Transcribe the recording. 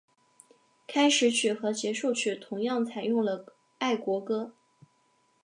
开始曲和结束曲同样采用了爱国歌。